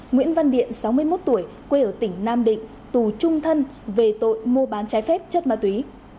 nguyễn văn điện sáu mươi một tuổi quê ở tỉnh nam định tù trung thân về tội mua bán trái phép chất ma túy